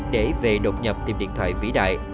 để về đột nhập tìm điện thoại phỉ đại